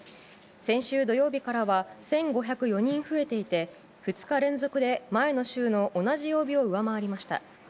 先週土曜日からは１５０４人増えていて、２日連続で前の週の同じ曜日を上回りました。